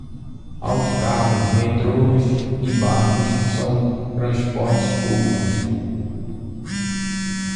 Autocarros, metros e barcos são transportes públicos.